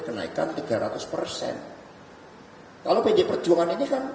kalau pd perjuangan ini kan